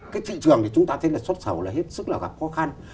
cái thị trường thì chúng ta thấy là sốt sầu là hết sức là gặp khó khăn